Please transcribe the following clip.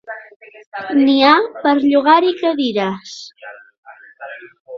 N'hi ha per llogar-hi cadires.